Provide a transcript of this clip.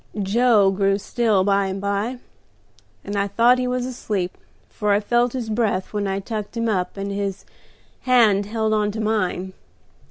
"Joe grew still by and by, and I thought he was asleep, for I felt his breath when I tucked him up, and his hand held on to mine.